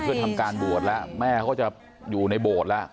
เพื่อทำการบวชแล้วแม่ก็จะอยู่ในโบสถ์แล้ว